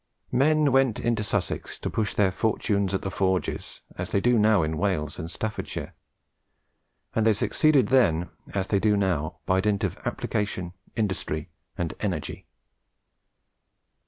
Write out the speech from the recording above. Men then went into Sussex to push their fortunes at the forges, as they now do in Wales or Staffordshire; and they succeeded then, as they do now, by dint of application, industry, and energy.